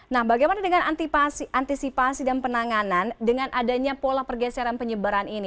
nah bagaimana dengan antisipasi dan penanganan dengan adanya pola pergeseran penyebaran ini